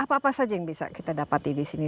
apa saja yang bisa kita dapati disini